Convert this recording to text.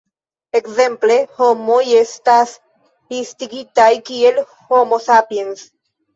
Ekzemple, homoj estas listigitaj kiel "Homo sapiens".